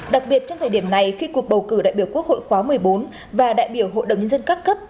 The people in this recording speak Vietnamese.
đặc biệt trong thời điểm này khi cuộc bầu cử đại biểu quốc hội khóa một mươi bốn và đại biểu hội đồng nhân dân các cấp